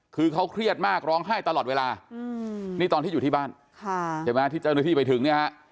คือเขาเครียดมากร้องไห้ตลอดเวลานี่ตอนที่อยู่ที่บ้านใช่ไหมที่เจ้าหน้าที่ไปถึงเนี่ยฮะ